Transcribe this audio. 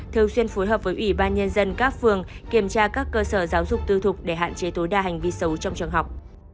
thường xuyên phối hợp với ủy ban nhân dân các phường kiểm tra các cơ sở giáo dục tư thục để hạn chế tối đa hành vi xấu trong trường học